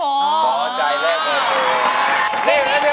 ขอใจแรกเบอร์โท